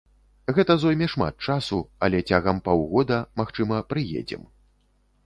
Гэта зойме шмат часу, але цягам паўгода, магчыма, прыедзем.